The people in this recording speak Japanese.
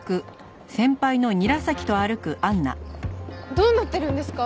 どうなってるんですか？